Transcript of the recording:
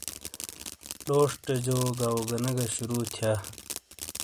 لوشٹے جو گاواگونے گی شروع تھیا۔